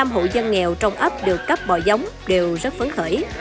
hai mươi năm hộ dân nghèo trong ấp được cấp bò giống đều rất phấn khởi